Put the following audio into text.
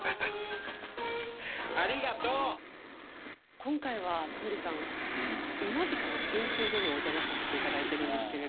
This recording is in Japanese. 今回はタモリさんＩＭＡＧＩＣＡの編集所にお邪魔させて頂いてるんですけれど。